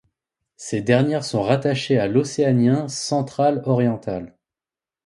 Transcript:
Ces dernières sont rattachées à l'océanien central-oriental.